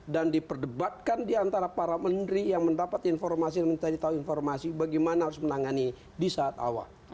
dan diperdebatkan diantara para menteri yang mendapat informasi yang mencari tahu informasi bagaimana harus menangani di saat awal